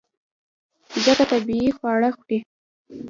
ځکه طبیعي خواړه خوري.